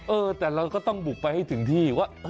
เออแต่เราก็ต้องบุกไปให้ถึงที่ว่า